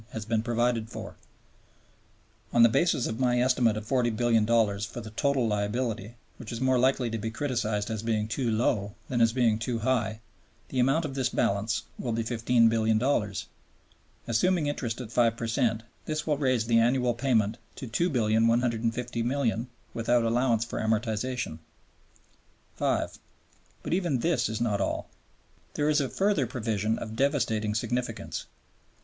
has been provided for. On the basis of my estimate of $40,000,000,000 for the total liability, which is more likely to be criticized as being too low than as being too high, the amount of this balance will be $15,000,000,000. Assuming interest at 5 per cent, this will raise the annual payment to $2,150,000,000 without allowance for amortization. 5. But even this is not all. There is a further provision of devastating significance.